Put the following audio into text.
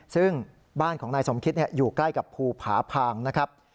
ซึ่งบ้านของนายสมคิตอยู่ใกล้กับภูผาพางนะครับ